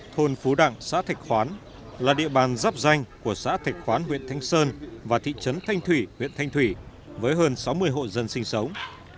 thôn phú đặng xã thạch khoán là địa bàn giáp danh của xã thạch khoán huyện thanh sơn và thị trấn thanh thủy huyện thanh thủy với hơn sáu mươi hộ dân sinh sống